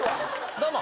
どうも。